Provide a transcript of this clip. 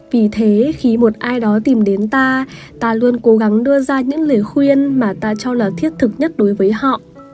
vì thế khi một ai đó tìm đến ta ta luôn cố gắng đưa ra những lời khuyên mà ta cho là thiết thực nhất đối với họ